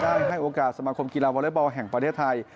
ให้โอกาสสมาคมกีฬาวอเล็กบอลแห่งประเทศไทย